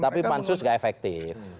tapi pansus gak efektif